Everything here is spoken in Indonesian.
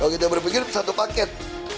kalau kita berpikir satu paket